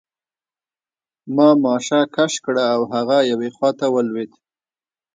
ما ماشه کش کړه او هغه یوې خواته ولوېد